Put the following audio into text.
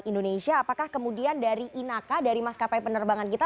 indonesia apakah kemudian dari inaka dari maskapai penerbangan kita